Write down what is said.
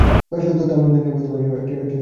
তার নন্দিনী নামে একটি ছোট বোন রয়েছে।